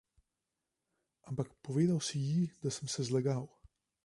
Ampak povedal si ji, da sem se zlagal.